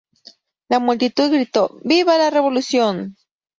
La multitud gritó "¡Viva la revolución!